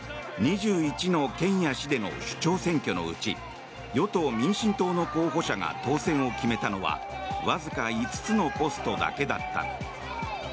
２１の県や市での首長選挙のうち与党・民進党の候補者が当選を決めたのはわずか５つのポストだけだった。